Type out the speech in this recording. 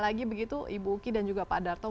lagi begitu ibu uki dan juga pak darto